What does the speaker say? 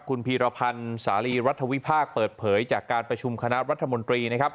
คุณพีรพันธ์สาลีรัฐวิพากษ์เปิดเผยจากการประชุมคณะรัฐมนตรีนะครับ